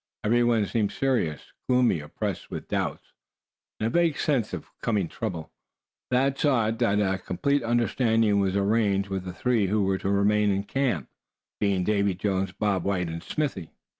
Every one seemed serious, gloomy, oppressed with doubts, and a vague sense of coming trouble. Thad saw to it that a complete understanding was arranged with the three who were to remain in camp, being Davy Jones, Bob White and Smithy.